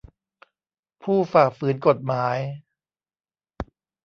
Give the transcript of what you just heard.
ผู้ฝ่าฝืนกฎหมาย